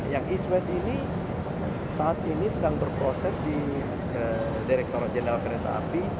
yang east west ini saat ini sedang berproses di direkturat jenderal kereta api